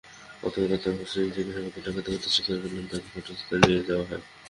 গতকাল রাতে মহসীন জিজ্ঞাসাবাদে ডাকাতির কথা স্বীকার করলে তাঁকে ঘটনাস্থলে নিয়ে যাওয়া হয়।